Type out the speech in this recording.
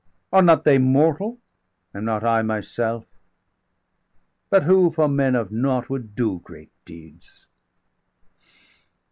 Are not they mortal, am not I myself? But who for men of nought would do great deeds?